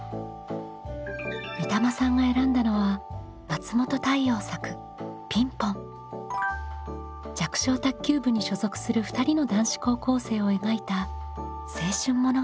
みたまさんが選んだのは弱小卓球部に所属する２人の男子高校生を描いた青春物語です。